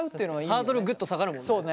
ハードルぐっと下がるもんね。